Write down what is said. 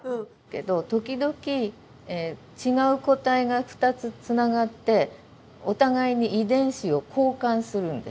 けど時々違う個体が２つつながってお互いに遺伝子を交換するんです。え！？